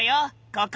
ここ！